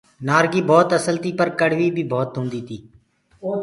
موسآ ڀوت اسل تي پر ڪڙويٚ بي ڀوت هوندي۔